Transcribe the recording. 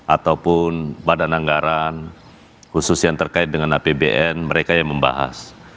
ataupun badan anggaran khusus yang terkait dengan apbn mereka yang membahas